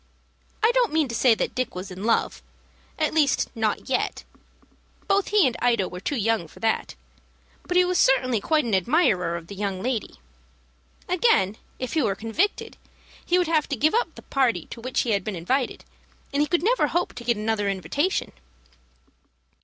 I don't mean to say that Dick was in love, at least not yet. Both he and Ida were too young for that; but he was certainly quite an admirer of the young lady. Again, if he were convicted, he would have to give up the party to which he had been invited, and he could never hope to get another invitation.